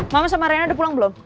maman sama rena udah pulang belum